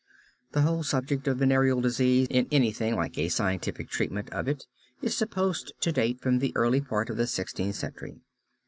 The whole subject of venereal disease in anything like a scientific treatment of it is supposed to date from the early part of the Sixteenth Century.